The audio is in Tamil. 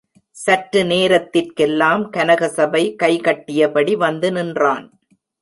சற்று நேரத்திற்கெல்லாம் கனகசபை கை கட்டியபடி வந்து நின்றான்.